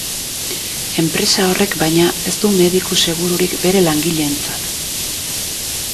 Enpresa horrek, baina, ez du mediku asegururik bere langileentzat.